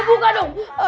buka dong buka